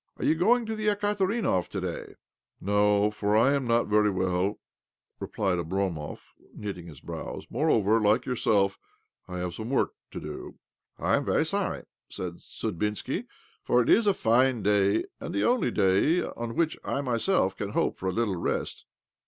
Are you going to the Ekaterinbov to day ?"" No, for I am not very well," replied Oblomov, knitting his browis ." Moreover, like yourself, I have some work to do." " I am very sorry," said Sudbinski ;" for it is a fine day, arid the only day on which I myself can hope for a little rest."